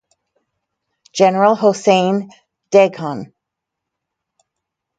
General Hossein Dehghan.